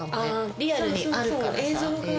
リアルにあるから映像が。